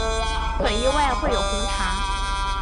很意外会有红茶